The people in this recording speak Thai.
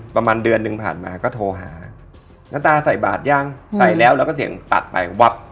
ประมาณเดือนหนึ่งผ่านมาก็โทรหาณตาใส่บาทยังใส่แล้วแล้วก็เสียงตัดไปวับ